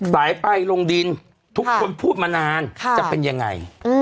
สายไฟลงดินทุกคนพูดมานานจะเป็นยังไง